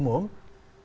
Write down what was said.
maka itu mungkin yang